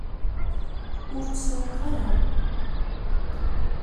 Ur t-sṛuḥeɣ ara.